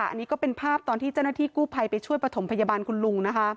อันนี้ก็เป็นภาพตอนที่เจ้าหน้าที่กู้ภัยไปช่วยประถมพยาบาลคุณลุงนะคะ